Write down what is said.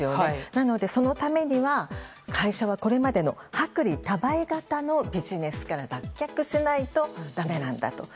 なのでそのためには会社はこれまでの薄利多売型のビジネスから脱却しないとだめなんだと。